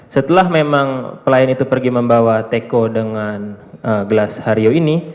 setelah memang pelayan itu pergi membawa teko dengan gelas hario ini